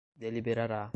deliberará